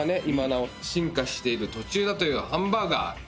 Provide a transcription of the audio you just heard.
今なお進化している途中だというハンバーガー。